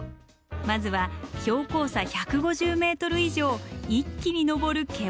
まずは標高差１５０ｍ以上一気に登る険しい道。